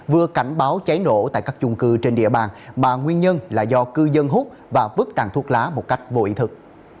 vừa cảnh báo cháy nổ tại các chung cư trên địa bàn mà nguyên nhân là do cư dân hút và vứt tàn thuốc lá một cách vô ý thức